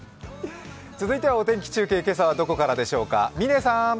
続いてはお天気中継、今朝はどこからでしょうか、嶺さん。